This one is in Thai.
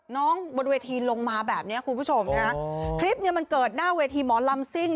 บนเวทีลงมาแบบเนี้ยคุณผู้ชมนะฮะคลิปเนี้ยมันเกิดหน้าเวทีหมอลำซิ่ง